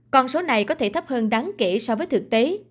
con số này có thể thấp hơn đáng kể so với thực tế